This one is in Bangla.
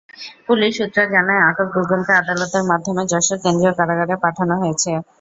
পুলিশ সূত্র জানায়, আটক দুজনকে আদালতের মাধ্যমে যশোর কেন্দ্রীয় কারাগারে পাঠানো হয়েছে।